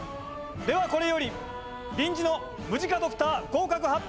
ではこれより臨時のムジカドクター合格発表を執り行う！